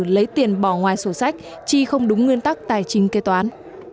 lấy tiền bỏ ngoài sổ sách chi không đúng nguyên tắc tài chính kế toán